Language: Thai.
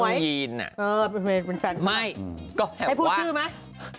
เอาจริงมาอยู่แฟนมัน